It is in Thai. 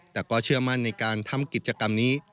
แต่ก็เชื่อมั่นในการทำกิจกรรมนี้